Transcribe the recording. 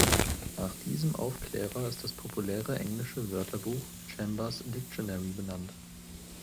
Nach diesem Aufklärer ist das populäre englische Wörterbuch "Chambers Dictionary" benannt.